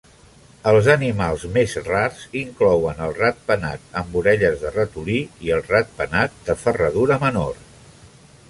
Els animals més rars inclouen el ratpenat amb orelles de ratolí i el ratpenat de ferradura menor.